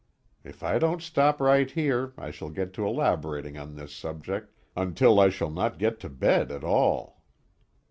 If I don't stop right here, I shall get to elaborating on this subject until I shall not get to bed at all.